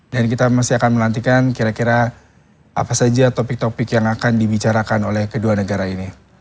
dan kita masih akan melantikan kira kira apa saja topik topik yang akan dibicarakan oleh kedua negara ini